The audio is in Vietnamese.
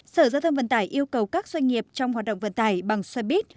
sở giao thông vận tải yêu cầu các doanh nghiệp trong hoạt động vận tải bằng xoay bít